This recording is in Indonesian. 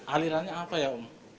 alirannya apa ya om